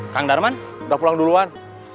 kang darman udah pulang duluan